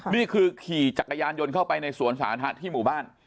นี่คือขี่จักรยานยนต์เข้าไปในสวนสาธารณะที่หมู่บ้าน